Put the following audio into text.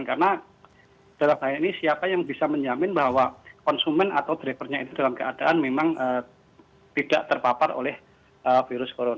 karena dalam hal ini siapa yang bisa menyamin bahwa konsumen atau drivernya itu dalam keadaan memang tidak terpapar oleh virus